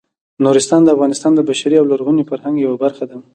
نورستان د افغانستان د بشري او لرغوني فرهنګ یوه برخه ده.